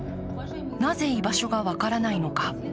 なぜ居場所が分からないのか？